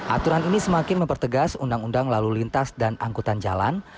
aturan ini semakin mempertegas undang undang lalu lintas dan angkutan jalan